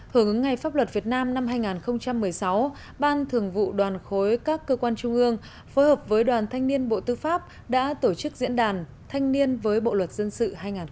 hưởng ứng ngày pháp luật việt nam năm hai nghìn một mươi sáu ban thường vụ đoàn khối các cơ quan trung ương phối hợp với đoàn thanh niên bộ tư pháp đã tổ chức diễn đàn thanh niên với bộ luật dân sự hai nghìn một mươi